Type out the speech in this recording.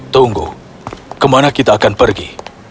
tunggu kemana kita akan pergi